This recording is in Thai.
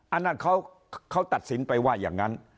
อันนั้นเขาตัดสินไปว่าอย่างนั้น